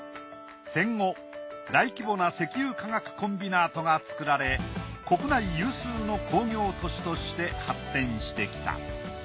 戦後大規模な石油化学コンビナートが造られ国内有数の工業都市として発展してきた。